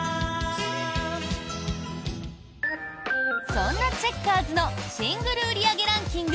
そんなチェッカーズのシングル売上ランキング